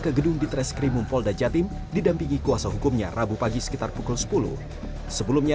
ke gedung di treskrimum polda jatim didampingi kuasa hukumnya rabu pagi sekitar pukul sepuluh sebelumnya